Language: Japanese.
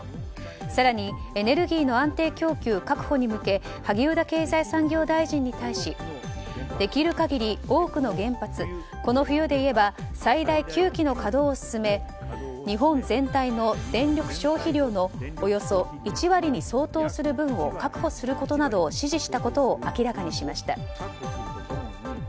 更に、エネルギーの安定供給確保に向け萩生田経済産業大臣に対しできる限り多くの原発この冬で言えば最大９基の稼働を進め日本全体の電力消費量のおよそ１割に相当する分を確保することなどを指示したことを明らかにしました。